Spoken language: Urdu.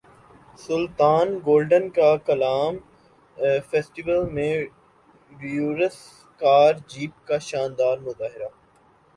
سلطان گولڈن کا کالام فیسٹیول میں ریورس کار جمپ کا شاندار مظاہرہ